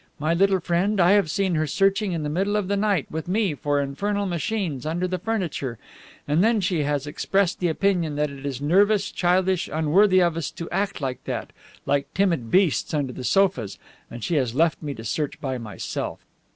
My little friend, I have seen her searching in the middle of the night, with me, for infernal machines under the furniture, and then she has expressed the opinion that it is nervous, childish, unworthy of us to act like that, like timid beasts under the sofas, and she has left me to search by myself.